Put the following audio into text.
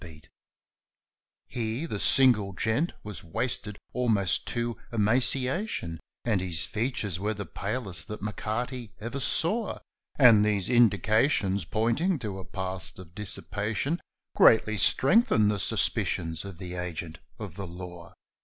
196 CONSTABLE M'CARTY'S INVESTIGATIONS 197 He (the single gent) was wasted almost to emaciation, And his features were the palest that M'Carty ever saw, And these indications, pointing to a past of dissipa tion, Greatly strengthened the suspicions of the agent of the law.